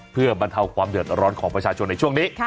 เพื่อบรรเทาความเดือดร้อนของประชาชนในช่วงนี้